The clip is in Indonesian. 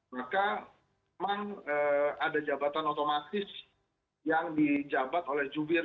maka memang ada jabatan otomatis yang dijabat oleh jubir